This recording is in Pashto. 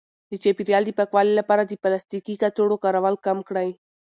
د چاپیریال د پاکوالي لپاره د پلاستیکي کڅوړو کارول کم کړئ.